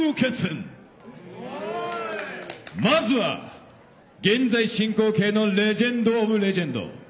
まずは現在進行形のレジェンドオブレジェンド。